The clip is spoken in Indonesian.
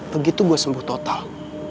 begitu gue sembuh total